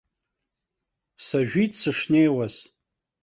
Сажәит сышнеиуаз.